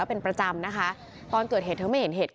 พี่อุ๋ยพ่อจะบอกว่าพ่อจะรับผิดแทนลูก